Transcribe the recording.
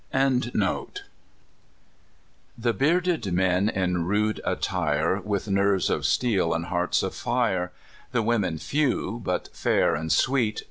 OLD TUOLUMNE * The bearded men in rude attire, With nerves of steel and hearts of fire; The women few, but fair and sweet.